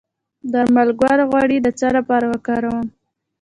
د لمر ګل غوړي د څه لپاره وکاروم؟